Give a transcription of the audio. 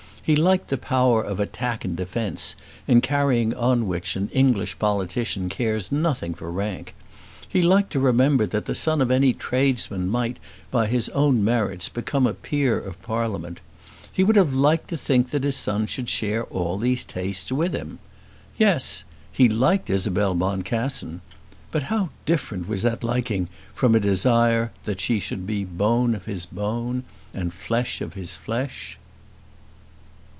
He liked the power of attack and defence in carrying on which an English politician cares nothing for rank. He liked to remember that the son of any tradesman might, by his own merits, become a peer of Parliament. He would have liked to think that his son should share all these tastes with him. Yes, he liked Isabel Boncassen. But how different was that liking from a desire that she should be bone of his bone, and flesh of his flesh!